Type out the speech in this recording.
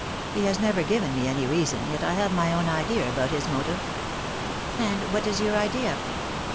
"He has never given me any reason, yet I have my own idea about his motive." ' "And what is your idea?"